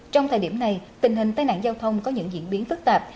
trong thời điểm này tình hình tai nạn giao thông có những diễn biến phức tạp